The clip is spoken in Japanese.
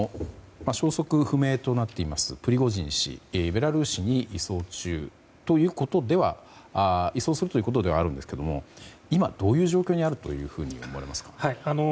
消息不明となっているプリゴジン氏、ベラルーシに移送するということではあるんですけども今どういう状況にあると思われますか。